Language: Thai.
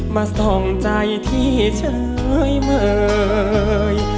มาส่องใจที่เฉยเมย